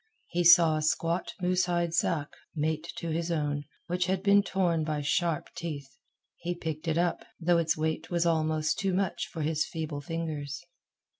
He saw a squat moose hide sack, mate to his own, which had been torn by sharp teeth. He picked it up, though its weight was almost too much for his feeble fingers.